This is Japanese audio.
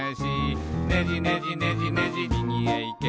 「ねじねじねじねじみぎへいけ」